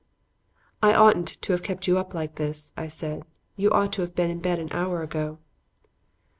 "I oughtn't to have kept you up like this," I said. "You ought to have been in bed an hour ago."